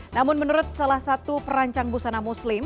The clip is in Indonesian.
namun menurut salah satu perancang busana muslim